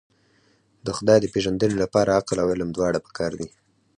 د خدای د پېژندنې لپاره عقل او علم دواړه پکار دي.